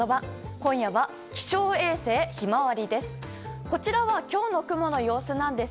今夜は気象衛星「ひまわり」です。